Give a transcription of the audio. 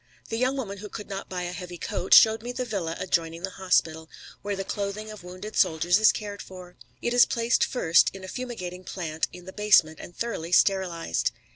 The young woman who could not buy a heavy coat showed me the villa adjoining the hospital, where the clothing of wounded soldiers is cared for. It is placed first in a fumigating plant in the basement and thoroughly sterilised.